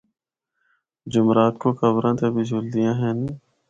جمعرات کو قبراں تے بھی جلدیاں ہن۔